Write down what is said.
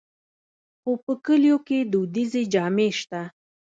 خو په کلیو کې دودیزې جامې شته.